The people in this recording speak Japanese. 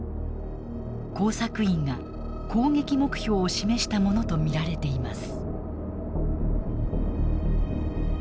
工作員が攻撃目標を示したものと見られています。